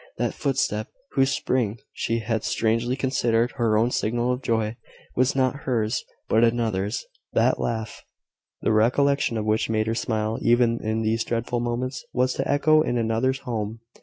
That footstep, whose spring she had strangely considered her own signal of joy, was not hers but another's. That laugh, the recollection of which made her smile even in these dreadful moments, was to echo in another's home.